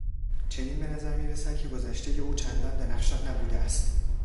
چنین به نظر میرسد که گذشتهی او چندان درخشان نبوده است.